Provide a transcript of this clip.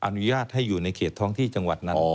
อนุญาตให้อยู่ในเขตท้องที่จังหวัดนั้น